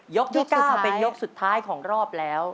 ที่๙เป็นยกสุดท้ายของรอบแล้ว